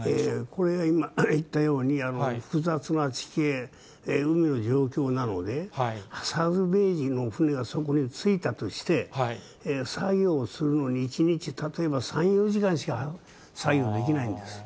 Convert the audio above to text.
これが今言ったように、複雑な地形、海の状況なので、サルベージの船がそこに着いたとして、作業をするのに１日例えば３、４時間しか作業できないんです。